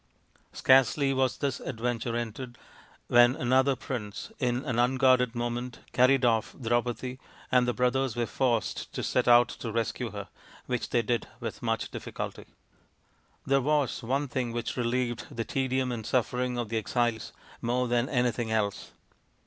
Scarcely was this adventure ended, when another prince, in an unguarded moment, carried off Drau padi, and the brothers were forced to set out to rescue her, which they did with much difficulty. There was one thing which relieved the tedium and suffering of the exiles more than anything else.